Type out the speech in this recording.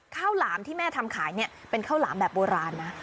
หลามที่แม่ทำขายเนี่ยเป็นข้าวหลามแบบโบราณนะ